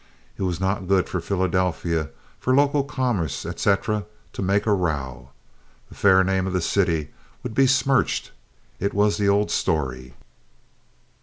It was not good for Philadelphia, for local commerce, etc., to make a row. The fair name of the city would be smirched. It was the old story.